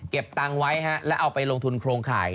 ตังค์ไว้แล้วเอาไปลงทุนโครงข่าย